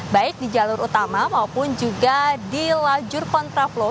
baik di jalur utama maupun juga di lajur kontraflow